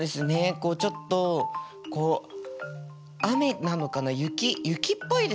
こうちょっとこう雨なのかな雪雪っぽいですね。